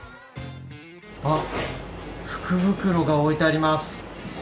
あっ、福袋が置いてあります。